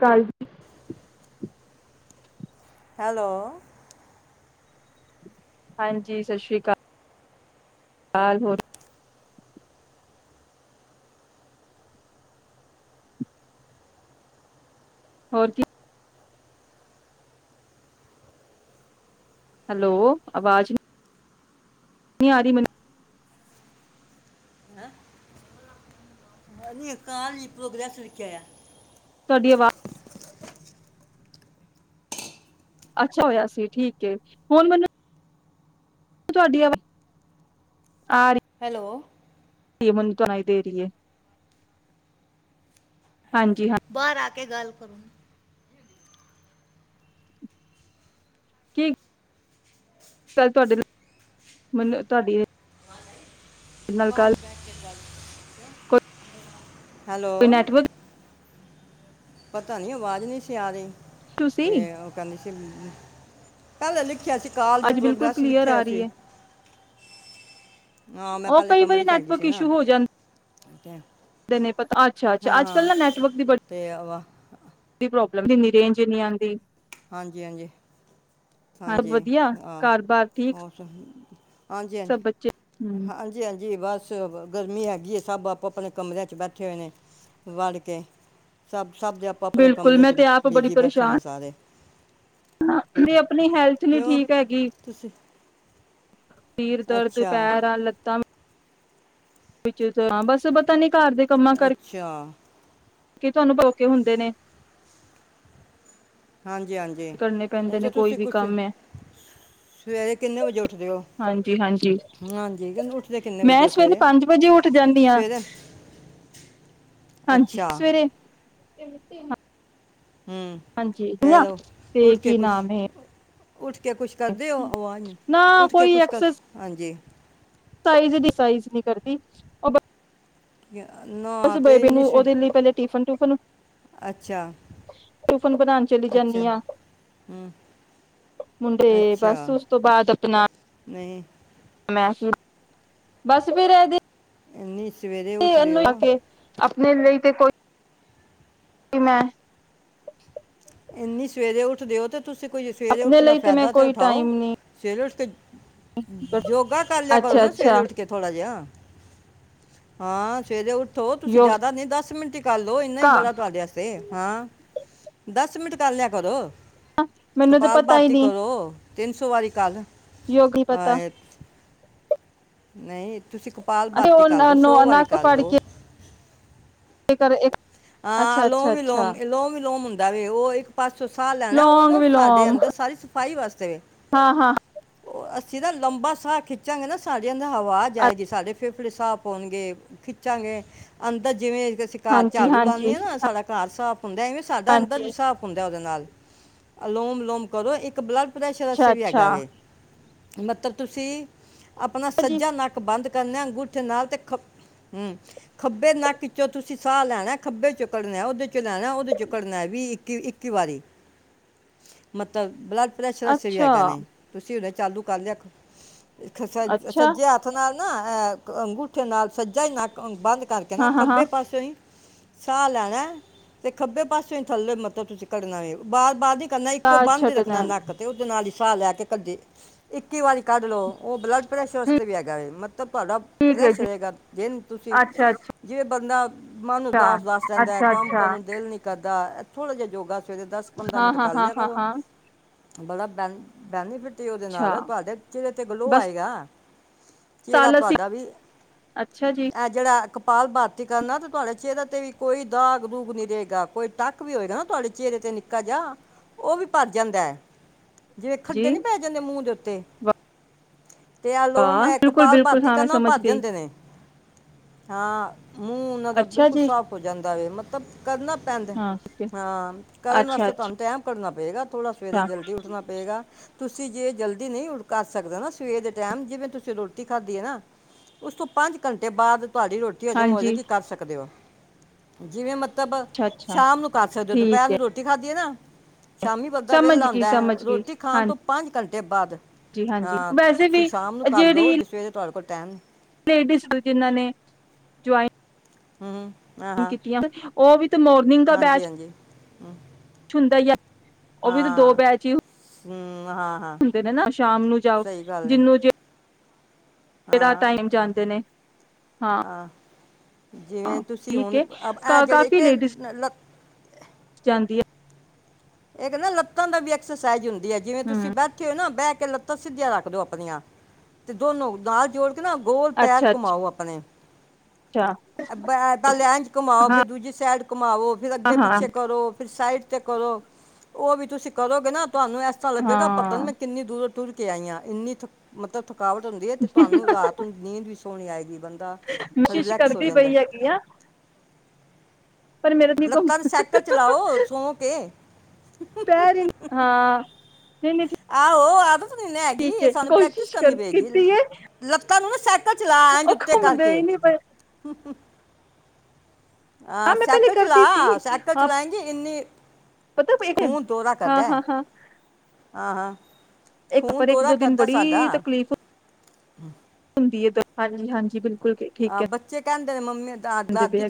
ਚਲ, ਹੈਲੋ ਹਾਂਜੀ ਸਤਿ ਸ੍ਰੀ ਅਕਾਲ ਹੋਰ ਹੋਰ ਕੀ ਹੈਲੋ ਆਵਾਜ਼ ਆ ਰ ਮਨ ਨੀ ਕਾਂ [unintelligible] ਐ, ਤੁਹਾਡੀ ਆਵਾਜ਼ ਅੱਛਾ ਹੋਇਆ ਸੀ ਠੀਕ ਹੁਣ ਮੈਨੂੰ ਤੁਹਾਡੀ ਆਵਾ ਆ ਹੈਲੋ, ਈਮਨ ਤੁਣਾਈ ਦੇ ਰਹੀ ਹੈ। ਬਾਰ ਆ ਕੇ ਗੱਲ ਕੀ ਕੱਲ ਤੁਹਾਡੇ ਨਾਲ ਮੈਨੂੰ ਤੁਹਾਡੀ, ਨਾਲ ਬਾਹਰ ਗੱਲ ਬਹਿ ਕੇ ਗੱਲ ਕੋਈ ਹੈਲੋ ਨੈਟਵਰਕ ਪਤਾ ਨੀ ਅਵਾਜ਼ ਨਹੀਂ ਸੀ ਆ ਰਹੀ ਇਸ਼ੂ ਸੀ ਤੇ ਉਹ ਕਹਿੰਦੀ ਸੀ ਕੱਲ ਲਿਖਿਆ ਸੀ ਕਾਲ ਦੀ ਅੱਜ ਬਿਲਕੁਲ ਪ੍ਰੋਗ੍ਰੈਸ ਕਲੀਅਰ ਆ ਲਿਖਿਆ ਰਹੀ ਸੀ ਏ ਹਾਂ ਮੈਂ ਉਹ ਕਈ ਵਾਰੀ ਨੈਟਵਰਕ ਇਸ਼ੂ ਹੋ ਜਾਂ [unintelligible] ਐ, ਪਤਾ ਅੱਛਾ ਅੱਜ ਕਲ ਨਾ ਨੈੱਟਵਰਕ ਦੀ ਤੇ ਵਾ- ਬੜੀ [unintelligible] ਲੰਮੀ ਐਨੀ ਰੇਜ ਨੀ ਆਂਦੀ। ਹਾਂਜੀ ਹਾਂਜੀ ਸਭ ਹਾਂਜੀ ਵਧੀਆ ਹਾਂ ਘਰ ਬਾਰ ਠੀਕ ਹੋ। ਹਾਂਜੀ ਸਭ ਹਾਂਜੀ ਬੱਚੇ ਹੂੰ ਹਾਂਜੀ ਹਾਂਜੀ ਬਸ ਗਰਮੀ ਹੈਗੀ ਸਭ ਆਪੋ -ਆਪਣੇ ਕਮਰਿਆਂ ਚ ਬੈਠੇ ਹੋਏ ਨੇ ਵੜ ਕੇ ਸਬ ਸਭ ਦੇ ਆਪਣੇ ਆਪਣੇ ਕਮਰਿਆਂ ਚ ਬੀਜੀ ਬੈਠੇ ਨੇ ਸਾਰੇ ਹਾਂ ਮ [unintelligible] ਆਪਣੀ ਹੈਲਥ ਲਈ ਕਿਉਂ ਠੀਕ ਹੈਗੀ। ਤੁਸੀਂ [inaudible] ਸਿਰ ਦਰਦ ਅੱਛਾ ਪੈਰਾਂ, ਲੱਤਾਂ ਵਿੱਚੇ ਤਾਂ ਬੱਸ ਪਤਾ ਨੀ ਅੱਛਾ, ਕੀ ਤੁਹਾਨੂੰ [inaudible] ਹੁੰਦੇ ਨੇ ਹਾਂਜੀ ਹਾਂਜੀ ਕਰਨੇ ਇਹ ਪੈਂਦੇ ਨੇ ਤਾਂ ਕੋਈ ਤੁਸੀਂ ਵੀ ਕੁਛ ਕੰਮ ਹੈ ਸਵੇਰੇ ਕਿੰਨੇ ਵਜੇ ਉੱਠਦੇ ਹੋ ਹਾਂਜੀ ਹਾਂਜੀ ਹਾਂਜੀ ਕਿਉੰਕਿ ਉੱਠਦੇ ਕਿੰਨੇ ਵਜੇ ਮੈਂ ਹੋ ਸਵੇਰੇ ਪੰਜ ਵਜੇ ਉੱਠ ਜਾਂਦੀ ਹਾਂ ਸਵੇਰੇ ਹਾਂਜੀ ਅੱਛਾ। ਸਵੇਰੇ [inaudible] ਹੂੰ ਹਾਂਜੀ ਫੇਰ ਤੇ ਉੱਠ ਕੇ ਕੀ ਕੁਛ ਨਾਮ ਹੈ ਉੱਠ ਕੇ ਕੁਛ ਕਰ ਦਿਓ, ਆਵਾਜ਼ ਨੀ ਨਾ ਉੱਠ ਕੇ ਕੁਛ ਕਰ ਹਾਂਜੀ। ਸਾਈਜ਼ ਨਹੀਂ ਸਾਈਜ਼ ਨਹੀਂ ਕਰਦੀ ਉਹ ਨਾ ਉਸ ਤੇ ਬੇਬੀ ਇੰਨੀ ਨੂੰ ਸਵੇ ਉਹਦੇ ਲਈ ਪਹਿਲੇ ਟਿਫਨ ਟੁਫਾਨ ਅੱਛਾ ਟਿਫਨ ਬਣਾਣ ਚਲੀ ਅੱਛਾ ਜਾਂਨੀ ਆ ਹਮ, ਮੁੰਡੇ ਬਸ ਅੱਛਾ ਉਸ ਤੋਂ ਬਾਅਦ ਆਪਣਾ ਨਹੀਂ ਮੈਂ ਬਸ ਫਿਰ ਇਹਦੇ ਇੰਨੀ ਸਵੇਰੇ ਉੱਠਦੇ ਇਹਨੂੰ ਆ ਹੋ। ਕੇ ਆਪਣੇ ਲਈ ਤੇ ਕੋਈ ਮੈਂ ਇੰਨੀ ਸਵੇਰੇ ਉੱਠਦੇ ਔ ਤੇ ਤੁਸੀਂ ਕੋਈ ਸਵੇਰੇ ਆਪਣੇ ਉੱਠਣਾ ਲਈ ਮੈਂ ਫਾਇਦਾ ਤੇ ਕੋਈ ਟਾਈਮ ਉਠਾਓ ਨੀ ਸਵੇਰੇ ਉੱਠ ਕੇ ਯੋਗਾ ਕਰ ਲਿਆ ਕਰੋ ਅੱਛਾ ਨਾ ਸਵੇਰੇ ਅੱਛਾ ਉੱਠ ਕੇ ਥੋੜਾ ਜਿਹਾ। ਹਾਂ ਸਵੇਰੇ ਓਥੋਂ ਤੁਸੀਂ ਯੋਗਾ ਜ਼ਿਆਦਾ ਨੀ ਦਸ ਮਿੰਟ ਕਰਲੋ ਇਨਾ ਹੀ ਬੜਾ ਤੁਹਾਡੇ ਵਾਸਤੇ ਹਾਂ। ਦਸ ਮਿੰਟ ਕਰ ਲਿਆ ਕਰੋ। ਮੈਨੂੰ ਤੇ ਪਤਾ ਹੀ ਨਹੀਂ ਤਿੰਨ ਸੌ ਵਾਰੀ ਕਰ ਯੋਗ ਨੀ ਪਤਾ। ਆਏ, ਨਹੀਂ। ਤੁਸੀਂ ਕਪਾਲ ਅੱਛਾ ਭਾਤੀ ਕਰ ਲੋ ਉਹ ਸੌ ਵਾਰੀ ਨੱਕ ਫੜ ਕਰਲੋ। [inaudible] ਆਹ ਅੱਛਾ ਅੱਛਾ ਲੋਮੀ ਅੱਛਾ ਲੋਮ ਲੋਮੀ ਲੋਮ ਡਰੇ ਔ ਏ। ਪਾਸੋਂ ਸਾਹ ਲੈਣਾ ਉਹ ਲੌਂਗ ਨਾ ਸਾਡੇ ਵਿਲੋਮ ਅੰਦਰ ਸਾਰੀ ਸਫ਼ਾਈ ਵਾਸਤੇ ਹਾਂ ਹਾਂ ਉਹ ਅ ਜਿੱਦਾਂ ਲੰਬਾ ਸਾਹ ਖਿੱਚਾਂਗੇ ਨਾ ਸਾਡੀਆਂ ਆਵਾਜ ਆਏਗੀ, ਸਾਡੇ ਫੇ ਸਾਹ ਪਾਉਣਗੇ ਖਿੱਚਾਂਗੇ ਅੰਦਰ ਜਿਵੇਂ ਤੇ ਸ਼ਿਕਾਰ ਹਾਂਜੀ ਝਾੜੂ ਲਾਂਨੇ ਹਾਂਜੀ ਆ ਨਾ ਸਾਡਾ ਘਰ [inaudible] ਹੁੰਦਾ ਐਵੇਂ ਸਾਡਾ ਅੰਦਰ ਹਾਂਜੀ ਵੀ ਸਾਫ ਹੁੰਦਾ ਉਹਦੇ ਨਾਲ। ਅਲੋਮ ਵਿਲੋਮ ਕਰੋ ਇੱਕ ਬਲੱਡ ਪ੍ਰੈਸ਼ਰ ਅੱਛਾ ਅਸੇ ਵੀ ਹੈਗਾ ਅੱਛਾ ਵੇ ਮਤਲਬ ਤੁਸੀ ਆਪਣਾ ਜੀ ਸੱਜਾ ਨੱਕ ਬੰਦ ਕਰਨਾ ਅੰਗੂਠੇ ਨਾਲ ਤੇ ਖਬ ਹਮ ਖੱਬੇ ਨਕ ਵਿਚੋਂ ਤੁਸੀਂ ਸਾਹ ਲੈਣਾ। ਹ ਖੱਬੇ ਚੋ ਕੱਢਣਾ ਉਹਦੇ ਤੇ ਲੈਣਾ ਉਹਦੇ ਚੋ ਕੱਢਣਾ ਵੀ ਇੱਕੀ ਵਾਰੀ ਮਤਲਬ ਬਲੱਡ ਪ੍ਰੇਸ਼ਰ ਅਸੇ ਵੀ ਅੱਛਾ ਹੈਗਾ ਨੇ। ਤੁਸੀਂ ਚਾਲੂ ਕਰ ਲਿਆ। ਇਕ ਸਾਈ ਅੱਛਾ ਸਜੇ ਹਥ ਨਾਲ। ਨਾ ਐ ਅੰਗੂਠੇ ਨਾਲ ਸੱਜਾ ਨਕ ਬੰਦ। ਧਰਕੇ ਨਾ ਹਾਂ ਹਾਂ ਹਾਂ ਖੱਬੇ ਪਾਸਿਓ ਹੀ ਸਾਹ ਲੈਣਾ ਤੇ ਖੱਬੇ ਪਾਸੇ ਹੀ ਥੱਲੇ ਮਤਲਬ ਤੁਸੀਂ ਕਢਣਾ ਵੇ। ਬਾਰ -ਬਾਰ ਨੀ ਕਰਨਾ ਇੱਕੋ ਕਾਰ ਬੰਦ ਹੀ ਰੱਖਣਾ ਛੱਡਣਾ ਨੱਕ ।ਤੇ ਉਹਦੇ ਨਾਲ ਹੀ ਸਾਹ ਲੈ ਤੇ ਕੱਦੇੇ। ਇੱਕੀ ਵਾਰੀ ਕੱਰ ਲਲੋ । ਉਹ ਬਲਡ ਪ੍ਰੈਸ਼ਰ ਵਸਤੇ ਵੀ ਐਗਾ ਵੇ ।ਮਤ ਤਾਂ ਤੁਹਾਡਾ ਠੀਕ ਹੈ ਫ-ਰੈਸ਼ ਜੀ ਰਹੇਗਾ ਦਿਨ ।ਤੁਸੀਂ ਅੱਛਾ ਜਿਵੇਂ ਬੰਦਾ ਮਨ ਅੱਛਾ ਉਦਾਸ ਉਦਾਸ ਰਹਿੰਦਾ ਏ। ਅੱਛਾ ਕੰਮ ਅੱਛਾ ਕਰਨ ਨੂੰ ਦਿਲ ਨੀ ਕਰਦਾ। ਥੋੜਾ ਜਿਆ ਯੋਗਾ ਸਵੇਰੇ ਦਸ ਪੰਦਰਾਂ ਹਾਂ ਮਿੰਟ ਹਾਂ ਕਰ ਹਾਂ ਲਿਆ ਹਾਂ ਕਰੋ। ਹਾਂ ਬੜਾ ਬੈ ਬੈਨੀਫਿਟ ਤੇ ਉਹਦੇ ਅੱਛਾ ਨਾਲ ਤੁਹਾਡੇ ਚੇਹਰੇ ਤੇ ਗਲੋਹ ਬਸ ਆਏਗਾ। ਚਿਹਰਾ ਸਾਲ ਅਸੀਂ ਤੁਹਾਡਾ ਵੀ। ਅੱਛਾ ਜੀ ਇਹ ਜਿਹੜਾ ਕ ਪਾਲ ਭਾਰਤੀ ਕਰਨਾ ਤ ਤੁਹਾਡੇ ਚਿਹਰੇ ਤੇ ਵੀ ਕੋਈ ਦਾਗ ਦੂਗ ਨੀ ਰਹੇਗਾ। ਕੋਈ ਟੱਕ ਵੀ ਹੋਏਗਾ ਨਾ ਤੁਹਾਡੇ ਚਿਹਰੇ ਤੇ ਨਿੱਕਾ ਜਿਹਾ, ਉਹ ਵੀ ਭਰ ਜਾਂਦਾ ਏ। ਜਿਵੇਂ ਜੀ ਖੱਡੇ ਨੀ ਪੈ ਜਾਂਦੇ ਮੂੰਹ ਦੇ ਉੱ ਤੇ ਤੇ ਏ ਆਲੋਮ ਵਾਹ ਏ ਬਿਲਕੁਲ ਕਪਾਲ ਬਿਲਕੁਲ ਪਾਰਤੀ ਹਾਂ ਕਰਨ ਮੈਂ ਨਾਲ ਸਮਝ ਭਰ ਗਈ ਜਾਂਦੇ ਨੇ। ਹਾਂ। ਮੂੰਹ ਉਹਨਾਂ ਦਾ ਅੱਛਾ ਬਿਲਕੁਲ ਜੀ ਸਾਫ਼ ਹੋ ਜਾਂਦਾ ਵੇ ਮਤਲਬ ਕਰਨਾ ਪੈਂਦਾ ਹਾਂ ਠੀਕ ਹੈ ਹਾਂ ਕਰਨ ਅੱਛਾ ਵਾਸਤੇ ਤੁਹਾਨੂੰ ਅੱਛਾ ਟੈਮ ਕਰਨਾ ਪਏਗਾ, ਥੋੜ੍ਹਾ ਸਵੇਰੇ ਜਲਦੀ ਉੱਠਣਾ ਪਏਗਾ। ਤੁਸੀਂ ਜੇ ਜਲਦੀ ਨਹੀਂ ਉੜ ਕਰ ਸਕਦੇ ਨਾ ਸਵੇਰ ਦੇ ਟੈਮ ਜਿਵੇਂ ਤੁਸੀਂ ਰੋਟੀ ਖਾਧੀ ਹੈ, ਨਾ ਉਸ ਤੋਂ ਪੰਜ ਘੰਟੇ ਬਾਅਦ ਤੁਹਾਡੀ ਰੋਟੀ ਹਜ਼ਮ ਹਾਂਜੀ ਹੋਜੇਗੀ, ਕਰ ਸਕਦੇ ਹੋ। ਜਿਵੇਂ ਮ ਤਬ ਅੱਛਾ ਅੱਛਾ ਸ਼ਾਮ ਨੂੰ ਕਰ ਸਕਦੇ ਹੋ ਦੁਪਹਿਰ ਠੀਕ ਹੈ ਨੂੰ ਰੋਟੀ ਖਾਧੀ ਹੈ ਨਾ ਸ਼ਾਮੀ ਬੱਦਾ ਸਮਝ ਵੇਹਲਾ ਗਈ ਹਉਂਦਾ ਹੈ, ਸਮਝ ਗਈ ਰੋਟੀ ਖਾਣ ਤੋਂ ਹਾਂਜੀ ਪੰਜ ਘੰਟੇ ਬਾਅਦ। ਹਾਂਜੀ ਹਾਂ, ਵੈਸੇ ਤੁਸੀਂ ਵੀ ਸ਼ਾਮ ਨੂੰ ਕਰ ਲਓ, ਜਿਹੜੀ ਜੇ ਸਵੇਰੇ ਤੁਹਾਡੇ ਕੋਲ ਟੈਮ ਲੇਡੀਜ਼, ਜਿਨ੍ਹਾਂ ਨੇ ਜੁਆਇਨ ਹੁੰ ਮ ਕੀਤੀਆਂ ਉਹ ਵੀ ਮੋਰਨਿੰਗ ਦਾ ਬੈਚ ਹਾਂਜੀ ਹਾਂਜੀ ਹੁੰਦਾ ਈ ਐ ਉਹ ਵੀ ਤੇ ਦੋ ਹਾਂ ਬੈਚ ਈ। ਹਮ, ਹਾਂ ਹਾਂ ਹੁੰਦੇ ਨੇ ਨਾ ਸ਼ਾਮ ਨੂੰ ਜਾਓ ਸਹੀ ਗੱਲ ਹੈ ਜਿਹਨੂੰ ਜੇ ਕਿਹੜਾ ਟਾਈਮ ਜਾਂਦੇ ਨੇ। ਹਾਂ ਆਹ ਜਿਵੇਂ ਹਾਂ, ਤੁਸੀਂ ਠੀਕ ਹੁਣ ਹੈ ਇਹ ਕਾ ਜਿਹੜੇ ਕਾਫੀ ਕਿ ਲੇਡੀਜ਼ ਲ ਜਾਂਦੀ ਹੈ। ਇੱਹਦੇ ਨਾ ਲੱਤਾਂ ਦਾ ਵੀ ਐਕਸਰਸਾਈਜ ਹੁੰਦ [unintelligible] ਜਿਵੇਂ ਤੁਸੀਂ ਹਮ ਬੈਠੇ ਹੋ ਨਾ ਬਹਿ ਕੇ ਲਤ ਸਿੱਧੀਆਂ ਰੱਖ ਦੋ ਆਪਣੀਆਂ, ਤੇ ਦੋਨੋ ਨਾਲ ਜੋੜ ਤੁਸੀ ਨਾ ਗੋਲ ਪੈਰ ਅੱਛਾ ਘੁਮਾਓ ਆਪਣੇ ਅੱਛਾ ਇਦਾਂ ਇਦਾਂ ਲੇਣ ਚ ਘੁਮਾਓ ਹਾਂ ਫੇਰ ਦੂਜੀ ਸੇਡ ਘੁਮਾਓ, ਫਿਰ ਅੱਗੇ ਹਾਂ ਪਿੱਛੇ ਕਰੋ ਫਿਰ ਸਾਈਡ ਤੇ ਕਰੋ ਉਹ ਵੀ ਤੁਸੀਂ ਕਰੋਗੇ ਨਾ ਤੁਹਾਨੂੰ ਐਸ ਤਰ੍ਹਾਂ ਲੱਗੇਗਾ, ਪਤਾ ਨੀ ਹਾਂ ਮੈਂ ਕਿੰਨੀ ਦੂਰੋਂ ਟੁਰ ਤੇ ਆਈਆਂ ਇੰਨੀ ਥ ਮਤਲਬ ਥ ਥਕਾਵਟ ਹੁੰਦੀ ਹੈ, ਤੇ ਤੁਹਾਨੂੰ ਰਾਤ ਨੂੰ ਨੀਂਦ ਸੋਣੀ ਆਏਗੀ ਬੰਦਾ ਕੋਸ਼ਿਸ਼ ਰਿਲੈਕਸ ਹੋ ਕਰਦੇ ਜਾਂਦਾ ਪਈ ਹੈਗੀ ਆ ਪਰ ਮੇਰੇ ਨੀ ਕੋ ਲੱਤਾ ਤੇ ਸਾਈਕਲ ਚਲਾਓ ਸੋ ਕੇ ਪੈਰ ਹੀ ਹਾਂ ਨਹੀਂ ਨਹੀਂ ਆਓ ਆਪ ਹੈਗੀ ਠੀਕ ਗਈ ਏ ਸਾਨੂੰ ਪ੍ਰੈਕਟਿਸ ਕੋਸ਼ਿਸ਼ ਕਰਨੀ ਕਰ ਪਏਗੀ ਕੀਤੀ ਏ ਲਾ ਤ ਤੁਹਾਨੂੰ ਨਾ ਸੱਟ ਲੱਤਾਂ ਚਲਾ ਉਹ ਉੱਤੇ ਘੁੰਮਦੇ ਹੀ ਕਰਕੇ ਨੀ ਪਏ ਹਾਂ ਮੈਂ ਪਹਿਲੇ ਸਾਈਕਲ ਚਲਾ ਕਰਦੀ ਸੀ ਸਾਈਕਲ ਹਾਂ ਚਲਾਏਂਗੀ ਏਨੀ ਪਤਾ ਪੇਟੀਐਮ ਹਾਂ ਹਾਂ ਹਾਂ ਹਾ ਇੱਕ ਪਰ ਇੱਕ ਦੋ ਦਿਨ ਬੜੀ ਈ ਤਕਲੀਫ਼ ਹ ਹੁੰਦੀ ਹਾਂਜੀ ਹਾਂਜੀ ਬਿਲਕੁਲ ਠੀਕ ਬੱਚੇ ਕਹਿੰਦੇ ਨੇ ਮਮੀ ਕਹਿੰਦੇ ਪਏ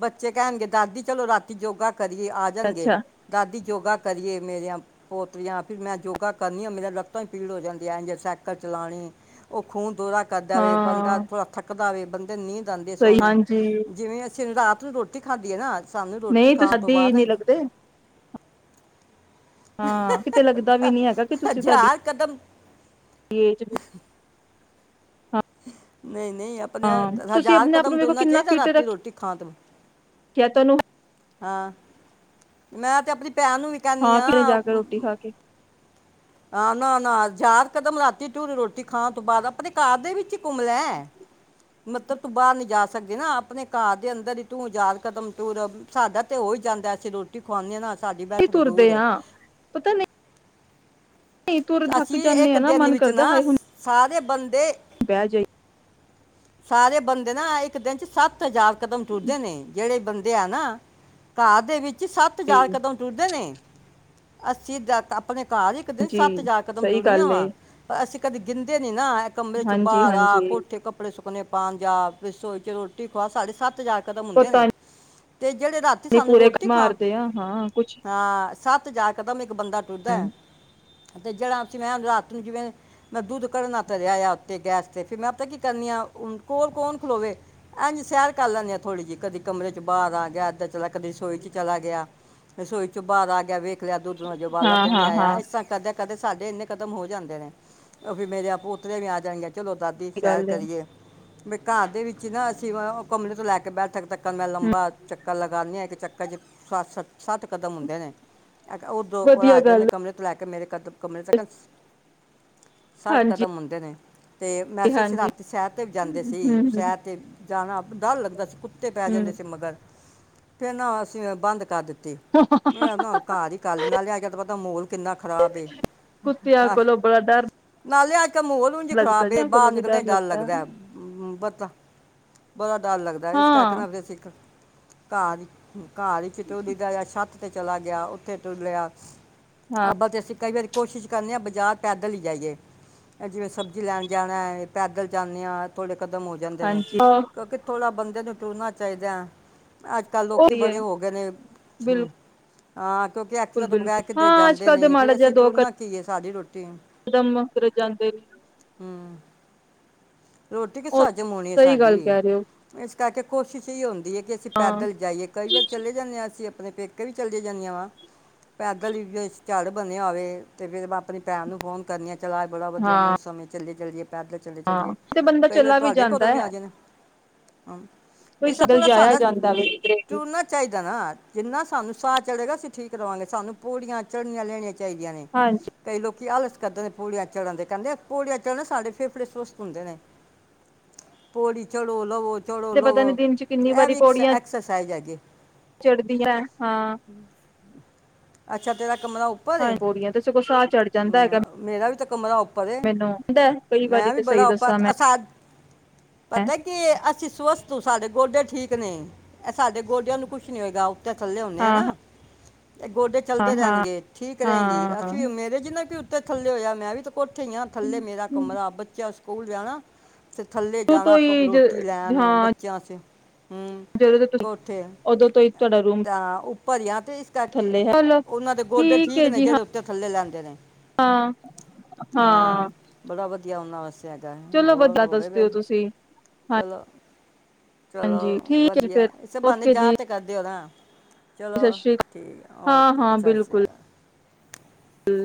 ਬੱਚੇ ਕਹਿਣਗੇ ਦਾਦੀ ਚਲੋ ਜੋਗਾ ਕਦੇ ਆ ਜਾਣਗੇ ਅੱਛਾ ਦਾਦੀ ਜੋਗਾ ਕਰੀਏ ਮੇਰੀਆਂ ਪੋਥੀਆਂ ਵੀ ਮੈਂ ਜੋਗਾ ਕਰਨੀਆ ਮੇਰਾ ਲੱਤ ਪੀੜ ਹੋ ਜਾਂਦੀ ਸਾਈਕਲ ਚਲਾਣੀ ਉਹ ਖੂਨ ਜੋਗਾ ਕਰਦਾ ਵੇ ਬੰਦਾ ਹਾਂ ਪਾ ਦੇ ਬੰਦੇ ਨੀ [unintelligible] ਜਾਂਦੇ ਸਹੀ ਸੋਹਣੇ ਹਾਂਜੀ ਜਿਵੇਂ ਅਸੀਂ ਰਾਤ ਤੂੰ ਰੋਟੀ ਖਾਦੀ ਹੈ ਨਾ ਸਾਨੂੰ ਰੋਟੀ ਨਹੀਂ ਤੂੰ ਖਾਣ ਤੋਂ ਅੱਧੀ ਬਾਅਦ ਨਹੀਂ ਲੱਗਦੇ ਹਾਂ ਕਿਤੇ ਲੱਗਦਾ ਵੀ ਨੀ ਹੈਗਾ ਕਿ ਤੁਸੀਂ ਤੁਹਾਡੀ ਹਜ਼ਾਰ ਕਦਮ ਏਜ ਨਹੀਂ ਆਪਣੇ ਹਾਂ ਤੁਸੀਂ ਹਜ਼ਾਰ ਆਪਣੇ ਆਪ ਕਦਮ ਨੂੰ ਵੇਖੋ ਤੁਰਨਾ ਚਾਹੀਦਾ ਰਾਤੀ ਰੋਟੀ ਖਾਨ ਤੋਂ ਕਿਆ ਤੁਨੂੰ ਹਾਂ ਮੈਂ ਤੇ ਆਪਣੀ ਭੈਣ ਨੂੰ ਵੀ ਕਹਿੰਦੀ ਹਾਂ ਆ ਘਰੇ ਜਾ ਕੇ ਰੋਟੀ ਖਾ ਕੇ ਨਾ ਨਾ ਚਾਰ ਕਦਮ ਤੁਰ ਰਾਤੀ ਤੂੰ ਰੋਟੀ ਖਾਣ ਤੋਂ ਬਾਅਦ ਆਪਣੇ ਘਰ ਦੇ ਵਿੱਚ ਘੁੰਮ ਲੈ ਮਤਲਬ ਤੂੰ ਬਾਹਰ ਨੀ ਜਾ ਸਕਦੀ ਨਾ ਆਪਣੇ ਘਰ ਦੇ ਅੰਦਰ ਹੀ ਤੂੰ ਆ ਹਜਾਰ ਕਦਮ ਤ ਸਾਡਾ ਤੇ ਹੋਈ ਜਾਂਦਾ ਅਸੀਂ ਰੋਟੀ ਖੁਵਾਉਂਦੇ ਹਾਂ ਨਾ ਸਾਡੀ ਹੀ ਬੈਠਕ ਤੁਰਦੇ ਦੂਰ ਏ। ਆ ਪਤਾ ਨਹੀਂ ਤੁਰ ਥੱਕ ਅਸੀਂ ਜਾਂਦੇ ਇੱਕ ਆ ਨਾ ਦਿਨ ਦੇ ਮਨ ਵਿੱਚ ਕਰਦਾ ਨਾ ਹਾਏ ਹੁਣ ਸਾਰੇ ਬੰਦੇ ਬਹਿ ਜਾਈਏ ਸਾਰੇ ਬੰਦੇ ਨਾ ਇੱਕ ਦਿਨ ਚ ਸੱਤ ਹਜ਼ਾਰ ਕਦਮ ਤੁਰਦੇ ਨੇ ਜਿਹੜੇ ਬੰਦੇ ਆ ਨਾ ਘਰ ਦੇ ਵਿੱਚ ਛੀ ਸੱਤ ਹਜ਼ਾਰ ਕਦਮ ਟੁੁਰਦੇ ਨੇ। ਅਸੀਂ ਜਦ ਆਪਣੇ ਘਰ ਇਕ ਸੱਤ ਜੀ ਜਾ ਕਦਮ ਸਹੀ ਦੁਨੀਆਂ ਗੱਲ ਵਾ, ਏ ਪਰ ਅਸੀਂ ਕਦੇ ਗਿਣਦੇ ਨਹੀਂ ਨਾ ਏ ਕਮਰੇ ਚੋ ਹਾਂਜੀ ਬਾਹਰ ਆ, ਹਾਂਜੀ ਕੋਠੇ ਕੱਪੜੇ ਸੁ ਆਪਣੇ ਪੰਜਾਬ ਵਿਚ ਸੋਚੋ, ਰੋਟੀ ਖੁਆ ਸਾਢੇ ਸੱਤ ਜਾ ਕੇ ਕਦਮ ਹੁੰਦੇ ਪਤਾ ਨੇ ਤੇ ਜਿਹੜੇ ਰਾਤੀ ਨੀ ਸਾਨੂੰ ਪੂਰੇ ਰੋਟੀ ਖਾਣ, ਮਾਰਦੇ ਆ ਹਾਂ ਕੁਛ ਹਾਂ ਸਤ ਤੇ ਜਾ ਇੱਕ ਦਮ ਈ ਇੱਕ ਬੰਦਾ ਟੁਰਦੈ। ਤੇ ਜਿਹੜਾ ਮੈਂ ਰਾਤ ਨੂੰ ਜਿਵੇਂ ਮੈਂ ਦੁੱਧ ਘੜਨਾ ਤਰਿਆਇ ਉੱਤੇ ਗੈਸ ਤੇ ਫਿਰ ਮੈਂ ਆਪਤਾ ਕੀ ਕਰਨੀ ਹ ਕੋਲ ਕੌਣ ਖਲੋਵੇ ਇਂ ਸੈਰ ਕਰ ਲੈੈਂਦੀ ਹਾਂ ਥੋੜ੍ਹੀ ਜਿਹੀ ਕਦੀ ਕਮਰੇ ਚ ਬਾਹਰ ਆ ਗਿਆ ਏਦਾਂ ਚਲਾ ਕਦੀ ਰਸੋਈ ਚ ਚਲਾ ਗਿਆ ਰਸੋਈ ਚੋਂ ਬਾਹਰ ਆ ਗਿਆ ਵੇਖ ਲਿਆ ਦੋ ਦ ਜਬਾਲਾ ਹਾਂ ਤਾਂ ਨ ਨਹੀਂ ਹਾਂ ਆਇਆ ਹਾਂ ਇਸ ਤ ਕਦੇ ਸਾਡੇ ਇੰਨੇ ਕਦਮ ਹੋ ਜਾਂਦੇ ਨੇ ਔਹਵੀ ਮੇਰੇ ਪੋਤਰੇ ਵੀ ਆ ਜਾਣਗੇ - ਚਲੋ ਦਾਦੀ ਸੈਰ ਗੱਲ ਏ ਕਰੀਏ ਵੀ ਘਰ ਦੇ ਵਿੱਚ ਹੀ ਨਾ ਅਸੀਂ ਕਮਰੇ ਤੋਂ ਲੈ ਕੇ ਬੈਠਕ ਤੱਕ ਤਾਂ ਮੈਂ ਲੰਬਾ ਚੱਕਰ ਲਗਾਨੀ ਆ ਇੱਕ ਸ ਸ ਸੱਤ ਕਦਮ ਹੁੰਦੇ ਨੇ ਉਹ ਦੋ ਵਧੀਆ ਰਾਜਿਆਂ ਦੇ ਗੱਲ ਕਮਰੇ ਚ ਤੋਂ ਲੈ ਕੇ ਮੇਰੇ ਕੱਦਮ ਕਮਰੇ ਤੱਕਨ ਸੱਠ ਹਾਂਜੀ ਕਦਮ ਹੁੰਦੇ ਨੇ। ਤੇ ਮੈਂ ਤਾਂ ਹਾਂਜੀ ਅਸੀਂ ਸੈਰ ਤੇ ਵੀ ਜਾਂਦੇ ਹਮ ਸੀ ਹਮ ਸੈਰ ਤੇ ਜਾਣਾ ਵੀ ਡਰ ਲੱਗਦਾ ਸੀ ਕੁੱਤੇ ਪੈ ਜਾਂਦੇ ਹਮ ਸੀ ਮਗਰ ਫੇਰ ਨਾ ਅਸੀਂ ਬੰਦ ਕਰ ਤੀ ਘਾਹ ਦੀ ਕਾਲੀ ਨਾਲ ਲਿਆ ਕੇ ਤੇ ਖਰਾਬ ਐ ਕੁੱਤਿਆਂ ਕੋਲੋਂ ਬੜਾ ਡਰ ਨਾਲੇ ਅੱਜ ਕੱਲ ਮਾਹੌਲ ਉੰਝ ਹੀ ਲੱਗਦਾ ਖਰਾਬ ਹੈ ਜੀ ਕੋਲੋਂ ਬਾਹਰ ਵੀ ਨਿਕਲਦਿਆਂ ਹੀ ਡਰ ਲੱਗਦਾ [unintelligible] ਡਰ ਲੱਗਦਾ ਇਸ ਕਰਕੇ ਹਾਂ ਆਪਦੇ ਸਿੱਖ ਕਾਹ ਜ ਘਾਹ ਵਾਲੀ ਤੇ ਚਲਾ ਗਿਆ ਉੱਥੇ ਤੁਰ ਲਿਆ ਹਾਂ ਆਪਾਂ ਜੈਸੇ ਕਈ ਵਾਰੀ ਕੋਸ਼ਿਸ਼ ਕਰਨੇ ਆ ਬਾਜ਼ਾਰ ਪੈਦਲ ਹੀ ਜਾਈਏ ਜਿਵੇਂ ਸਬਜੀ ਲੈਣ ਜਾਣਾ ਐ ਪੈਦਲ ਜਾਨੇ ਆ ਖਤਮ ਹੋ ਜਾਂਦੇ ਨੇ ਹਾਂਜੀ ਉਹ ਕਿਉਂਕਿ ਥੋੜਾ ਬੰਦੇ ਨੂੰ ਤੁਰਣਾ ਚਾਹੀਦਾ ਅੱਜ ਕੱਲ੍ਹ ਲੋਕੀ ਬੜੇ ਹੋ ਗਏ ਨੇ ਹੂੰ, ਬਿਲਕੁਲ ਹਾਂ । ਕਿਉਂਕਿ ਅ ਤ ਤੋਂ ਬਗੈ ਬਿਲਕੁਲ ਕਿੱਤੇਰੇ ਹਾਂ ਅੱਜ ਜਾਂਦਾ ਕੱਲ ਦੇ ਨਹੀਂ ਮਾੜਾ ਫਿਰ ਜਿਹਾ ਅਸੀਂ ਦੋ ਤੁਰਨਾ ਕੀ ਏ। ਸਾਾਰੀ ਰੋਟੀ ਕਦਮ ਮਤ ਰਜ ਜਾਂਦੇ ਨੇ ਹੂੰ ਰੋਟੀ ਕਿਥੋ ਅੱਜ ਮਗਾਉਣੀ ਐ ਸਹੀ ਗੱਲ ਸਾਡੀ ਕਹਿ ਰਹੇ ਹੋ ਇਸ, ਤ ਚ ਕੋਸ਼ਿਸ਼ ਏਹੀ ਦੇਈਏ ਕਿ ਅਸੀਂ ਹਾਂ ਪੈਦਲ ਜਾਈਏ ਕਈ ਵਾਰ ਚਲੇ ਜਾਂਦੇ ਹਾਂ ਅਸੀਂ ਆਪਣੇ ਪੇਕੇ ਵੀ ਚੱਲੀਆਂ ਜਾਂਦੀਆਂ ਵਾ, ਪੈਦਲ ਵੀ ਝੜ ਬਣਿਆ ਹੋਵੇ ਤੇ, ਫੇਿਰ ਮੈਂ ਆਪਣੀ ਭੈਣ ਨੂੰ ਫੋਨ ਕਰਨੀ ਆ । ਚਲਾ ਬੜਾ ਵਧੀਆ ਹਾਂ ਮੌਸਮ ਹੈ, ਚੱਲੇ ਜਲਦੀ, ਪੈਦਲ ਚੱਲੇ ਹਾਂ ਚੱਲਏ ਤੇ ਬੰਦਾ ਕਈ ਵਾਰੀ ਚਲਾ ਤੁਹਾਡੇ ਕਦੋਂ ਜਾਂਦਾ ਵੀ ਹੈ ਆ ਜਾਣਾ। ਹੂੰ, ਕੋਈ ਇਹ ਤ ਤਾਂ ਸਗਲ ਥੋੜ੍ਹਾ ਜਾਇਆ ਸਾਡਾ ਜਾਂਦਾ ਵੇ ਕਿਧਰੇ ਵੀ ਤੁਰਨਾ ਚਾਹੀਦਾ ਨਾ ਜਿੰਨਾ ਸਾਨੂੰ ਸਾਹ ਚੜੇਗਾ । ਠੀਕ ਰਵਾਂਗੇ ਸਾਨੂੰ ਪੋੜੀਆਂ ਚੜਨੀਆਂ ਲੈਣੀਆਂ। ਚਾਹੀਦੀਆਂ ਨੇ ਹਾਂਜੀ ਕਈ ਲੋਕ, ਕੀ ਆਲਸ ਕਰਦੇ ਨੇ ਪੌੜੀਆਂ ਚੜਨ ਦਾ ਕਹਿੰਦੇ ਪੌੜੀਆਂ ਚੜ੍ਹਨ ਸਾਡੇ ਫੇਫੜੇ ਸਵਸਤ ਹੁੰਦੇ ਨੇ, ਪੌੜੀ ਚੜੋ- ਲਵੋ । ਪਤਾ ਨੀ ਦਿਨ ਚ ਕਿੰਨੀ ਵਾਰੀ ਪੌੜੀਆਂ ਐਕਸਰਸਾਈਜ਼ ਹੈ ਜੀ ਚੜ੍ਹਦੀਆਂ ਹਾਂ। ਅੱਛਾ ਤੇਰਾ, ਕਮਰਾ ਉੱਪਰ ਮੇਰਾ ਹਾਂ ਪੌੜੀਆਂ ਤੇ ਸਗੋਂ ਸਾਹ ਚੜ੍ਹ ਜਾਂਦਾ ਹੈਗਾ ਵੇ, ਤਾਂ ਮੇਰਾ ਕਮਰਾ ਉੱਪਰ ਵੇ ਮੈਨੂੰ ਹੁੰਦਾ ਕਈ ਵਾਰੀ ਮੈਂ ਵੀ ਤੇ ਸਹੀ ਬੜਾ ਉੱਪਰ ਦੱਸਾਂ ਮੈਂ ਪਤਾ ਕਿ ਅਸੀਂ ਸਵਸਥ ਤੂੰ ਸਾਡੇ ਗੋਡੇ ਠੀਕ ਨੇ, ਇਹ ਸਾਡੇ ਗੋਡਿਆਂ ਨੂੰ ਕੁਛ ਨੀ ਹੋਏਗਾ । ਉਹ ਤੇ ਥੱਲੇ ਆਉਦੇ ਆ ਹਾਂ ਨਾ ਤੇ ਗੋਡੇ ਹਾਂ ਚੱਲਦੇ ਰਹਿਣ। ਹਾਂ ਠੀਕ ਰਹੇਗੀ ਹਾਂ ਅਸੀਂ ਮੇਰੇ ਜਿਨਾ ਵੀ ਉੱਤੇ ਥੱਲੇ ਹੋਇਆ ਮੈਂ ਵੀ ਤੇ ਕੋਠੇ ਆ ਥੱਲੇ ਮੇਰਾ ਸ਼ੁਰੂ ਕਮਰਾ ਬੱਚਾ ਵਾਸਤੇ ਸਕੂਲ ਜਾਣਾ, ਤੇ ਥੱਲੇ ਤੋਂ ਜਾਣਾ ਹੀ ਰੋਟੀ ਲੈਣ, ਹਾਂ ਬੱਚਿਆਂ ਚ ਹਮ ਜਦੋਂ ਤੁਸੀਂ ਕੋਠੇ, ਉਦੋਂ ਤੋਂ ਹੀ ਤੁਹਾਡਾ ਰੂਮ ਤਾਂ ਉੱਪਰ ਆ ਤੇ ਇਸ ਕਰਕੇ ਥੱਲੇ ਹੈ ਚਲੋ ਉਹਨਾਂ ਦੇ ਗੋਡੇ ਠੀਕ ਹੈ ਨੇ ਜੀ ਜਿਹੜੇ ਉੱਥ ਥੱਲੇ ਲੈਂਦੇ ਨੇ ਹਾਂ ਹਾਂ ਬੜਾ ਵਧੀ ਵਧੀਆ ਉਹਨਾਂ ਬਸ, ਹੈਗਾ, ਚਲੋ ਹੋਰ ਵਧੀਆ ਹੋ ਗਏ ਦੱਸਦੇ ਫਿਰ ਤੁਸੀਂ ਚਲੋ ਚਲੋ ਹਾਂਜੀ ਠੀਕ ਹੈ ਜੀ ਵਧੀਆ ਫਿਰ ਇਸੇ ਬਹਾਨੇ ਓਕੇ ਜੀ ਯਾਦ ਤੇ ਕਰ ਦੇ ਔ ਨਾ ਚਲੋ ਸਤਿ ਸ਼੍ਰੀ ਠੀਕ ਹੈ, ਅਕਾਲ ਓਕੇ ਸਤਿ ਸ਼੍ਰੀ ਅਕਾਲ ਹੂੰ,